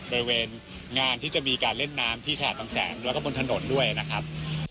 บริเวณงานที่จะมีการเล่นน้ำที่ฉลาดบางแสนแล้วก็บนถนนด้วยนะครับ